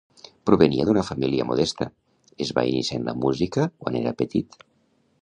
Provenia d'una família modesta, es va iniciar en la música quan era petit.